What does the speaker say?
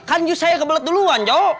kan just saya kebelet duluan jok